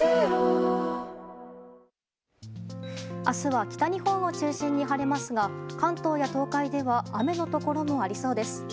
明日は北日本を中心に晴れますが関東や東海では雨のところもありそうです。